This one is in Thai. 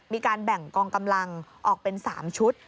มีการแบ่งกองกำลังออกเป็น๓ชุด